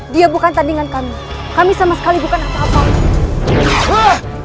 dia bukan tandingan kami kami sama sekali bukan apa apa